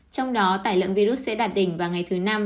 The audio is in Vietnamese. trong đó tải lượng virus sẽ đạt đỉnh vào ngày thứ năm